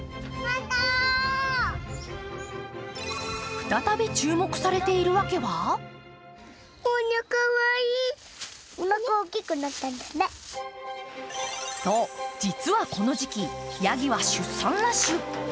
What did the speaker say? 再び注目されているわけはそう、実はこの時期、やぎは出産ラッシュ。